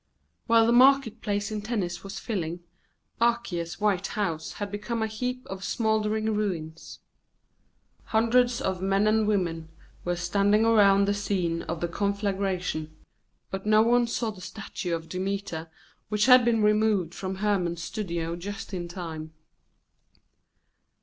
While the market place in Tennis was filling, Archias's white house had become a heap of smouldering ruins. Hundreds of men and women were standing around the scene of the conflagration, but no one saw the statue of Demeter, which had been removed from Hermon's studio just in time.